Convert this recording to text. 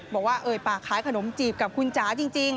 เอ่ยปากขายขนมจีบกับคุณจ๋าจริง